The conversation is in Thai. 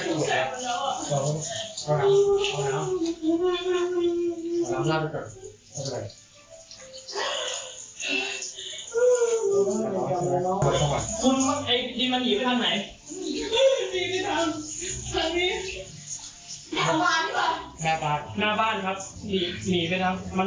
เย็นมาเย็นมาเย็นเย็นตรงนี้ไม่ต้องกลัว